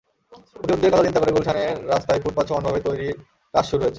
প্রতিবন্ধীদের কথা চিন্তা করে গুলশানের রাস্তায় ফুটপাত সমানভাবে তৈরির কাজ শুরু হয়েছে।